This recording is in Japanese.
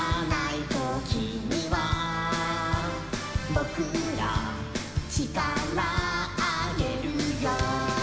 「ぼくらちからあげるよ」